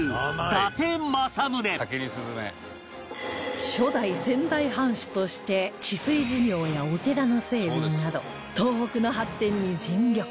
伊達政宗初代仙台藩主として治水事業やお寺の整備など東北の発展に尽力